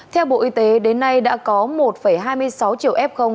theo bộ y tế đến nay đã có một hai mươi sáu triệu f